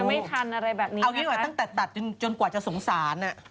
แต่ตั้งแต่ตัดจนกว่าจะสงสาร